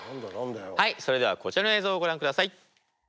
はいそれではこちらの映像をご覧ください。